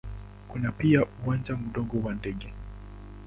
Kuna pia uwanja mdogo wa ndege.